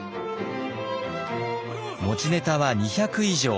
持ちネタは２００以上。